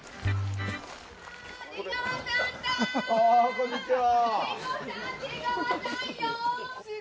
こんにちは。